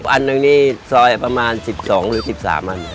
อันหนึ่งนี่ซอยประมาณ๑๒หรือ๑๓อัน